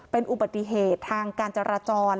เป็นอุบัติเหตุทางการจราจร